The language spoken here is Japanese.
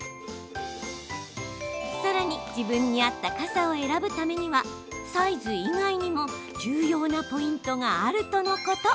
さらに自分に合った傘を選ぶためにはサイズ以外にも重要なポイントがあるとのこと。